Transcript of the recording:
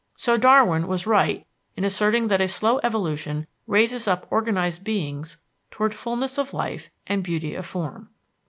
So Darwin was right in asserting that a slow evolution raises up organized beings towards fulness of life and beauty of form.